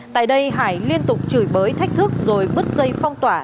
tại đây hải liên tục chửi bới thách thức rồi bứt dây phong tỏa